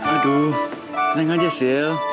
aduh tenang aja sil